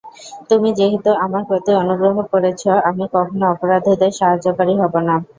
তুমি যেহেতু আমার প্রতি অনুগ্রহ করেছ, আমি কখনও অপরাধীদের সাহায্যকারী হবো না।